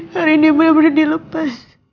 hari ini bener bener dilepas